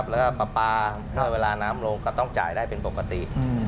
แล้วก็ปลาถ้าเวลาน้ำลงก็ต้องจ่ายได้เป็นปกติ